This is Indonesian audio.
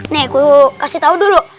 neku kasih tau dulu